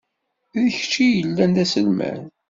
D kečč i yellan d aselmad.